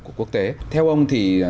của quốc tế theo ông thì